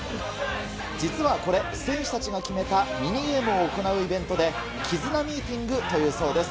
実はこれ、選手たちが決めたミニゲームを行うイベントで、絆ミーティングというそうです。